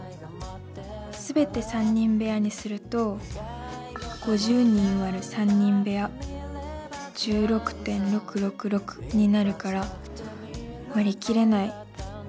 すべて３人部屋にすると５０人割る３人部屋１６．６６６になるから割り切れない。